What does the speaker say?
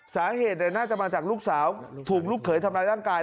สาเหตุน่าจะมาจากลูกสาวถูกลูกเขยทำร้ายร่างกาย